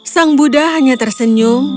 sang buddha hanya tersenyum